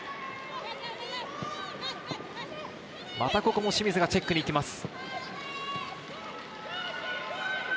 ここも清水がチェックに行きます。